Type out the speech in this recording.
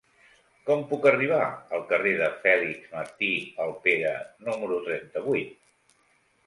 Com puc arribar al carrer de Fèlix Martí Alpera número trenta-vuit?